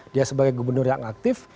dia sebagai gubernur yang aktif